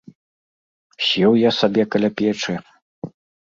Сеў я сабе каля печы.